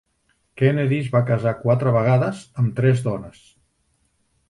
Kennedy es va casar quatre vegades, amb tres dones.